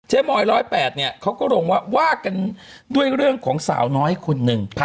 เจ้าหมอย๑๐๘เขาก็ว่ากันด้วยเรื่องของสาวน้อยคนหนึ่ง